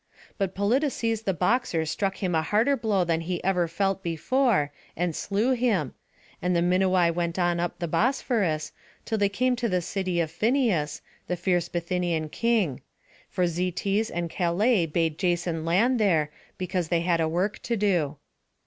But Polydeuces the boxer struck him a harder blow than he ever felt before, and slew him; and the Minuai went on up the Bosphorus, till they came to the city of Phineus, the fierce Bithynian king; for Zetes and Calais bade Jason land there, because they had a work to do.